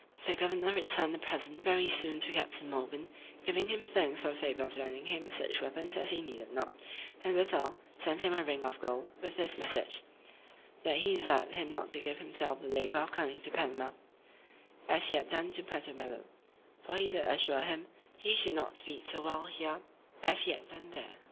The governor returned the present very soon to Captain Morgan, giving him thanks for the favour of lending him such weapons as he needed not; and, withal, sent him a ring of gold, with this message, "that he desired him not to give himself the labour of coming to Panama, as he had done to Puerto Bello: for he did assure him, he should not speed so well here, as he had done there."